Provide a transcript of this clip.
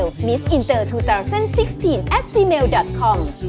แล้วเราทำเพื่อประเทศอยู่เราจะเอาความสงสารมาเป็นที่ตั้งได้ยังไง